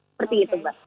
seperti itu mbak